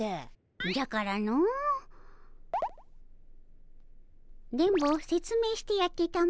じゃからの電ボせつめいしてやってたも。